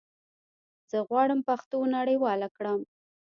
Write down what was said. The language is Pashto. زه غواړم پښتو نړيواله کړم